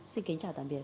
xin kính chào tạm biệt